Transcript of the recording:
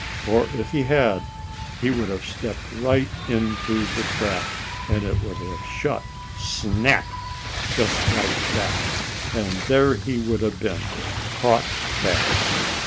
For if he had he would have stepped right into the trap and it would have shut SNAP! Just like that. And there he would have been, caught fast.